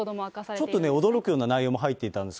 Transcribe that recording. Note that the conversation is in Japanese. ちょっとね、驚くような内容も入っていたんです。